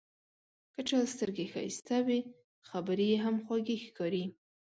که د چا سترګې ښایسته وي، خبرې یې هم خوږې ښکاري.